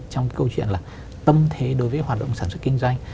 trong câu chuyện là tâm thế đối với hoạt động sản xuất kinh doanh